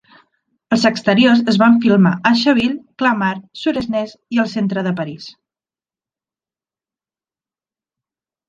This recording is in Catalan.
Els exteriors es van filmar a Chaville, Clamart, Suresnes i al centre de París.